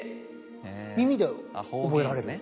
耳で覚えられる？